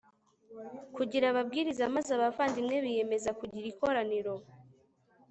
kugira ababwiriza maze abavandimwe biyemeza kugira ikoraniro